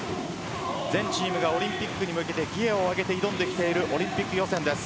全チームがオリンピックに向けてギアを上げて挑んできているオリンピック予選です。